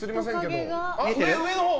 上のほう？